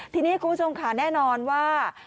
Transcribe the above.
ทีนี้คุณผู้ชมค่ะแน่นอนว่า